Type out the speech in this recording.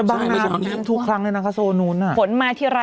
บางมาตราดน้ำท่วม